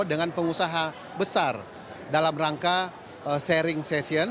dengan pengusaha besar dalam rangka sharing session